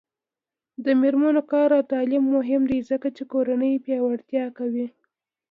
د میرمنو کار او تعلیم مهم دی ځکه چې کورنۍ پیاوړتیا کوي.